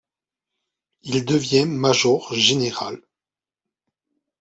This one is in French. Il devient major-général.